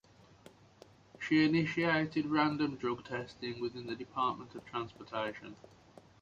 She initiated random drug testing within the Department of Transportation.